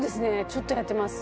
ちょっとやってます。